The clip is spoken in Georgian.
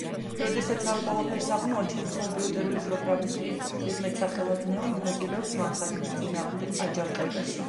როდესაც ამ ყველაფერს აღმოაჩენს, კომპიუტერული პროგრამისტი ზედმეტსახელად „ნეო“ მონაწილეობს მანქანების წინააღმდეგ აჯანყებაში.